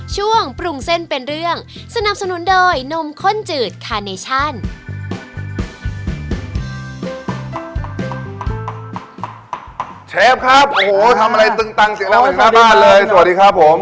เชฟครับโอ้โหทำอะไรตึงตังสินะมาบ้านเลยสวัสดีครับผม